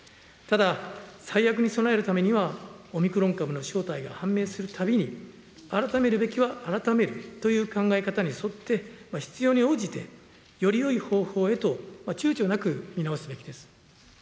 ただ、最悪に備えるためには、オミクロン株の正体が判明するたびに、改めるべきは改めるという考え方に沿って、必要に応じてよりよい方法へとちゅうちょなく見直すべきです。